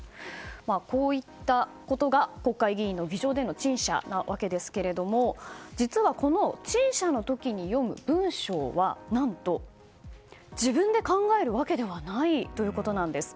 こういったことが国会議員の議場での陳謝なんですが実はこの陳謝の時に読む文章は何と自分で考えるわけではないということなんです。